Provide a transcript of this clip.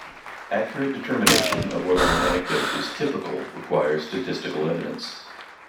Accurate determination of whether an anecdote is "typical" requires statistical evidence.